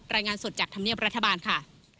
รายงานสดจากธรรมเนียบรัฐบาลค่ะ